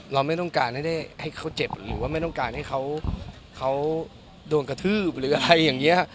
เราไม่ต้องการให้เขาเจ็บหรือว่าไม่ต้องการให้เขาโดนกระทืบหรืออะไรอย่างนี้